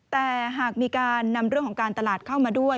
แต่หากมีการนำเรื่องของการตลาดเข้ามาด้วย